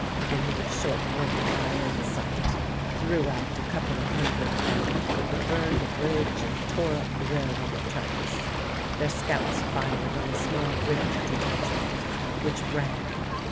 They made short work of all in sight, threw out a couple of hundred men who burned a bridge and tore up the railroad tracks. Their scouts fired on a small British detachment, which ran.